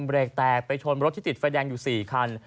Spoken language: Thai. เบรกแตกไปชนรถที่ติดไฟแดงอยู่๔คัน